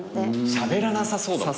しゃべらなさそうだもんね。